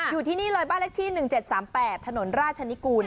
อยู่ที่นี่เลยบ้านเลขที่๑๗๓๘ถนนราชนิกูล